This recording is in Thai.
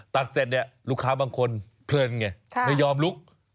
ตัดเสร็จลูกค้าบางคนเพลินไงไม่ยอมลุก